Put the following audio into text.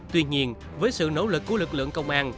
tuy nhiên với sự nỗ lực của lực lượng công an